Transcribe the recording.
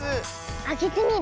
あけてみる？